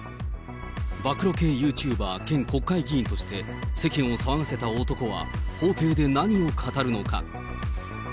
暴露系ユーチューバー兼国会議員として、世間を騒がせた男は、法廷で何を語るのか。